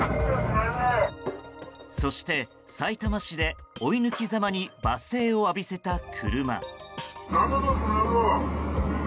そして、さいたま市で追い抜きざまに罵声を浴びせた車。